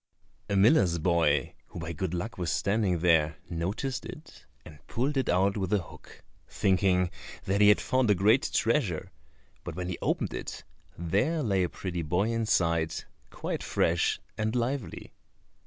A miller's boy, who by good luck was standing there, noticed it and pulled it out with a hook, thinking that he had found a great treasure, but when he opened it there lay a pretty boy inside, quite fresh and lively.